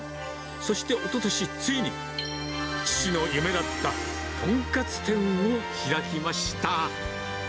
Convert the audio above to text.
そしておととし、ついに、父の夢だった豚カツ店を開きました。